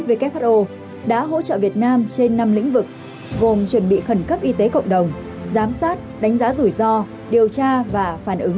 who đã hỗ trợ việt nam trên năm lĩnh vực gồm chuẩn bị khẩn cấp y tế cộng đồng giám sát đánh giá rủi ro điều tra và phản ứng